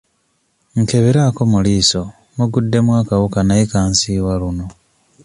Nkeberaako mu liiso muguddemu akawuka naye kansiiwa luno.